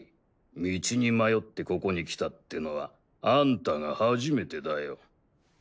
道に迷ってここに来たってのはアンタが初めてだよ。